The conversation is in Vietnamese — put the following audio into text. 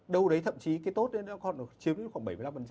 đâu đấy thậm chí cái tốt đấy nó còn chiếm đến khoảng bảy mươi năm